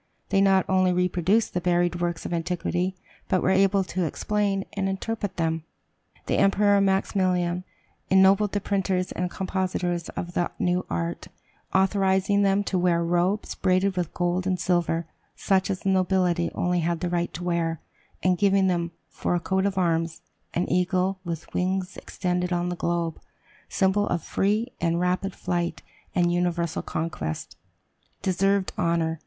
They not only reproduced the buried works of antiquity, but were able to explain and interpret them. The Emperor Maximilian ennobled the printers and compositors of the new art, authorizing them to wear robes braided with gold and silver, such as the nobility only had the right to wear, and giving them, for a coat of arms, an eagle with wings extended on the globe, symbol of free and rapid flight and universal conquest. Deserved honor!